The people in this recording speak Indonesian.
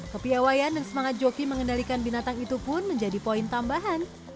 kepiawayan dan semangat joki mengendalikan binatang itu pun menjadi poin tambahan